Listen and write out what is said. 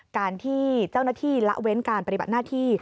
การที่เจ้าหน้าที่ละเว้นการปฏิบัติหน้าที่